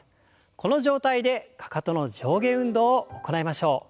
この状態でかかとの上下運動を行いましょう。